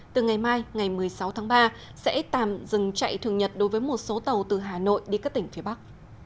từ ngày mai ngày một mươi sáu tháng ba sẽ tạm dừng chạy thường nhật đối với một số tàu từ hà nội đi các tỉnh phía bắc